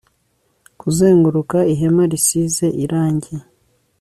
Kuzenguruka ihema risize irangi